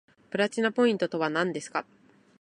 プラチナポイントとはなんですか